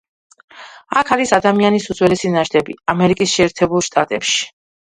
აქ არის ადამიანის უძველესი ნაშთები, ამერიკის შეერთებულ შტატებში.